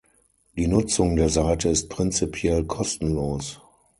Die Nutzung der Seite ist prinzipiell kostenlos.